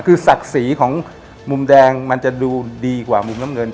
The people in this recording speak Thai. คือศักดิ์ศรีของมุมแดงมันจะดูดีกว่ามุมน้ำเงิน